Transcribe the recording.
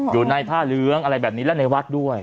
อยู่ในผ้าเหลืองอะไรแบบนี้และในวัดด้วย